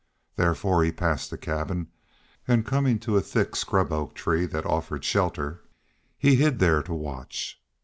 Therefore he passed the cabin and, coming to a thick scrub oak tree that offered shelter, he hid there to watch.